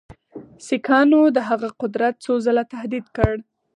سیکهانو د هغه قدرت څو ځله تهدید کړ.